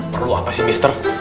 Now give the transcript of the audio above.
perlu apa sih ustaz